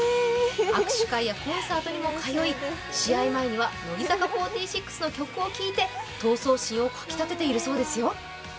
握手会やコンサートにも通い、試合前には乃木坂４６の曲を聴いて闘争心をかき立てているそうですよ。